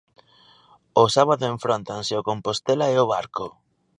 O sábado enfróntanse o Compostela e o Barco.